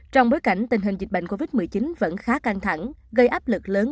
trong bối cảnh tình hình dịch bệnh covid một mươi chín vẫn khá căng thẳng gây áp lực lớn